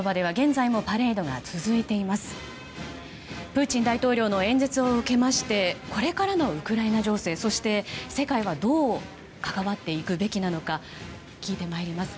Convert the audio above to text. プーチン大統領の演説を受けましてこれからのウクライナ情勢そして、世界はどう関わっていくべきなのか。聞いてまいります。